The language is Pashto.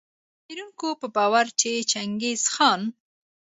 د څېړونکو په باور چي چنګیز خان